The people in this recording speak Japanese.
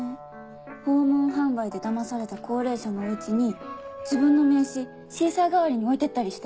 訪問販売でだまされた高齢者のお家に自分の名刺シーサー代わりに置いてったりして。